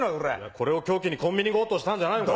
これを凶器にコンビニ強盗したんじゃないか？